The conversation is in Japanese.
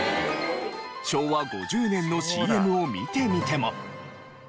昭和５０年のＣＭを見てみても。